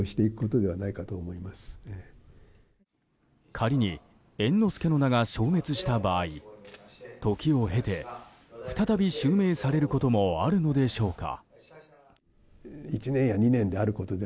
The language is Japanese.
仮に猿之助の名が消滅した場合時を経て、再び襲名されることもあるのでしょうか。